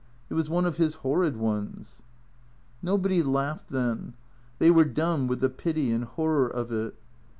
" It was one of his horrid ones." Nobody laughed then. They were dumb with the pity and horror of it.